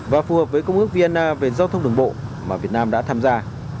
và phù hợp với công ước vna về giao thông đường bộ mà việt nam đã tham gia